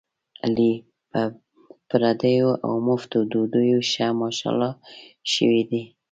علي په پردیو اومفتو ډوډیو ښه ماشاءالله شوی دی.